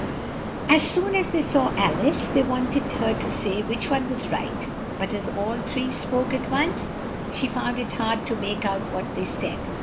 As soon as they saw Al ice, they want ed her to say which one was right, but as all three spoke at once, she found it hard to make out what they said.